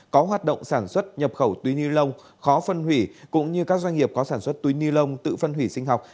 có hoạt động sản xuất nhập khẩu túi ni lông khó phân hủy cũng như các doanh nghiệp có sản xuất túi ni lông tự phân hủy sinh học